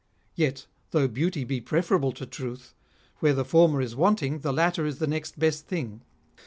Yet, though beauty be preferable to truth, where the former is wanting, the latter is the next best thing.